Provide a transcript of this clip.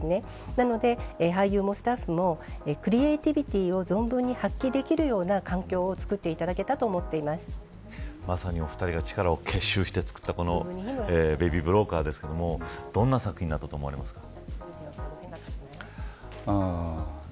なので、俳優もスタッフもクリエイティビティを存分に発揮できるような環境を作っていただけたまさにお二人が力を結集して作ったこのベイビー・ブローカーですけれどもどんな作品になったと思われますか。